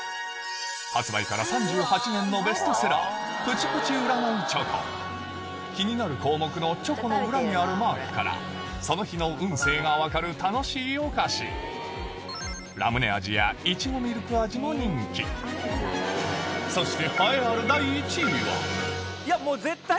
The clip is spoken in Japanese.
発売から３８年のベストセラー気になる項目のチョコの裏にあるマークからその日の運勢が分かる楽しいお菓子も人気そして栄えある第１位は？